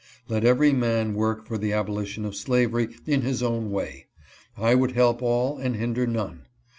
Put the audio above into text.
Let every man work for the abolition of slavery in his own way. I would help all and hinder none.